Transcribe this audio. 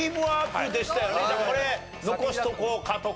これ残しとこうかとか。